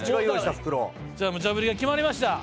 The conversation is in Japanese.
ムチャぶりが決まりました。